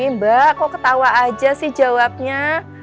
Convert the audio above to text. mbak kok ketawa aja sih jawabnya